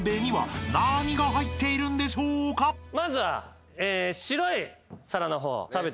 まずは。